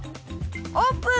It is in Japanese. オープン！